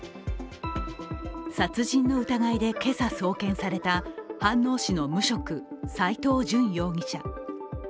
殺人の疑いで今朝、送検された飯能市の無職、斉藤淳容疑者。